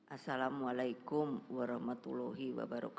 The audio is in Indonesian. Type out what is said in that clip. assalamu'alaikum warahmatullahi wabarakatuh